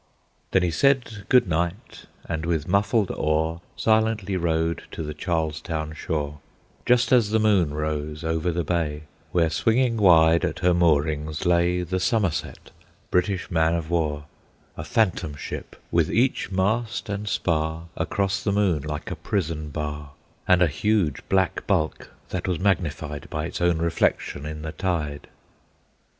Then he said, "Good night!" and with muffled oar Silently rowed to the Charlestown shore, Just as the moon rose over the bay, Where swinging wide at her moorings lay The Somerset, British man of war; A phantom ship, with each mast and spar Across the moon like a prison bar, And a huge black hulk, that was magnified By its own reflection in the tide.